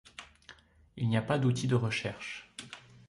Il n'y a pas d'outil de recherche.